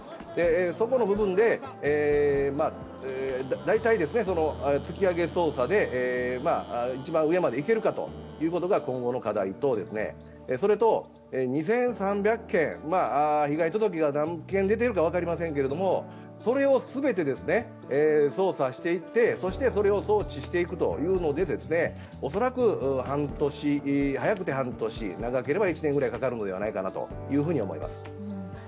そこの部分で大体、突き上げ捜査で一番上まで行けるかというのが今後の課題と、それと、２３００件、被害届が何件出てるか分かりませんけれどもそれを全て捜査していって、そしてそれを同治していくというので恐らく早くて半年長ければ１年ぐらいかかるのではないかというふうに思います。